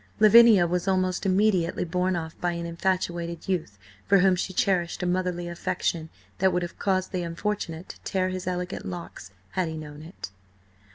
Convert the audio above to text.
Lavinia was almost immediately borne off by an infatuated youth for whom she cherished a motherly affection that would have caused the unfortunate to tear his elegant locks, had he known it.